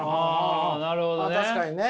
あなるほどね。